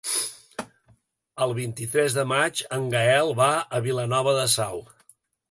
El vint-i-tres de maig en Gaël va a Vilanova de Sau.